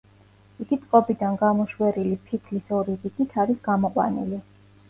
იგი წყობიდან გამოშვერილი ფიქლის ორი რიგით არის გამოყვანილი.